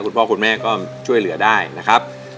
คุณพ่อคุณแม่ก็ช่วยเหลือได้นะครับ